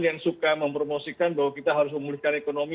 yang suka mempromosikan bahwa kita harus memulihkan ekonomi